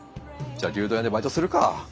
じゃあ牛丼屋でバイトするか。